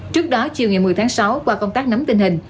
trước đó chiều ngày một mươi tháng sáu qua công tác nắm tình hình